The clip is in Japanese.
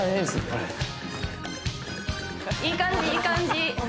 これいい感じいい感じ